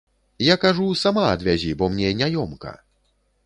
Я кажу, сама адвязі, бо мне няёмка.